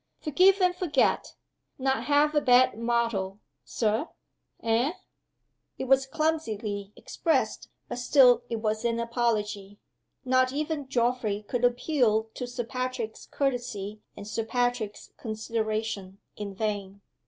Forgive and forget. Not half a bad motto, Sir eh?" It was clumsily expressed but still it was an apology. Not even Geoffrey could appeal to Sir Patrick's courtesy and Sir Patrick's consideration in vain.